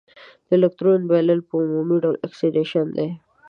د الکترون بایلل په عمومي ډول اکسیدیشن دی.